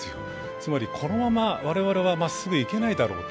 つまり、このまま我々はまっすぐいけないだろうと。